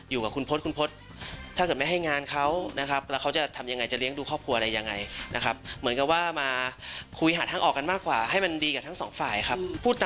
บล็อกทุกช่องทางติดต่อเขาเลยนะครับ